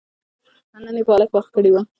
نن يې پالک پخ کړي دي